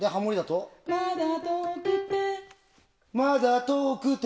「まだ遠くて」。